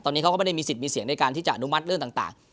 ตอนนี้เขาก็ไม่ได้มีสิทธิ์มีเสียงในการที่จะอนุมัติเรื่องต่าง